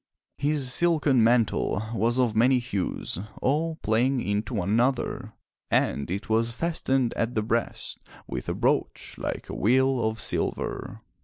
His silken mantle was of many hues all playing into one another, and it was fastened at the breast with a brooch like a wheel of silver.